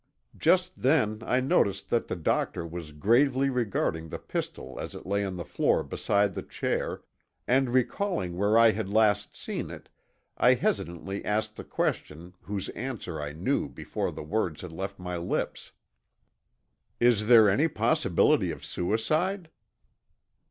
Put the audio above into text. Just then I noticed that the doctor was gravely regarding the pistol as it lay on the floor beside the chair, and recalling where I had last seen it, I hesitantly asked the question whose answer I knew before the words had left my lips. "Is there any possibility of suicide?"